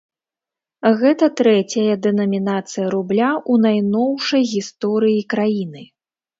Гэта трэцяя дэнамінацыя рубля ў найноўшай гісторыі краіны.